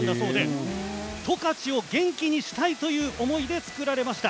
十勝を元気にしたいという思いで作られました。